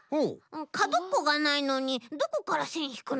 かどっこがないのにどこからせんひくの？